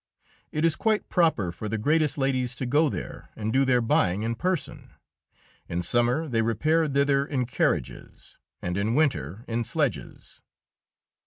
It is quite proper for the greatest ladies to go there and do their buying in person. In summer they repair thither in carriages, and in winter in sledges.